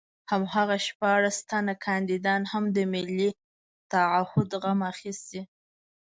هماغه شپاړس تنه کاندیدان هم د ملي تعهُد غم اخیستي.